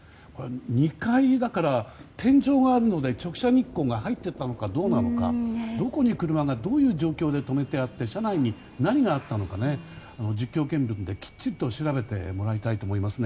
２階だから天井があるので直射日光が入っていたのかどうなのかどこに車がどういう状況で止めてあって車内に何があったのか実況見分できっちりと調べてもらいたいと思いますね。